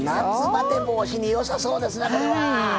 夏バテ防止によさそうですなこれは！